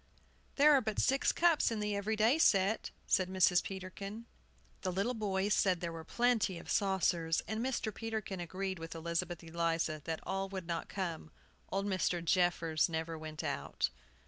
"There are but six cups in the every day set," said Mrs. Peterkin. The little boys said there were plenty of saucers; and Mr. Peterkin agreed with Elizabeth Eliza that all would not come. Old Mr. Jeffers never went out.